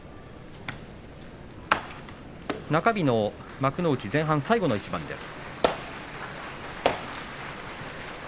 中日の幕内、前半最後の取組です。